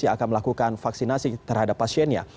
yang akan melakukan vaksinasi terhadap pasiennya